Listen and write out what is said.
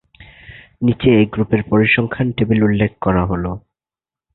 নিচে এই গ্রুপের পরিসংখ্যান টেবিল উল্লেখ করা হলো।